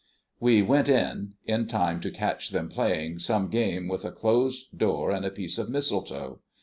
We went in, in time to catch them playing some game with a closed door and a piece of mistletoe.